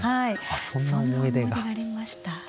そんな思い出がありました。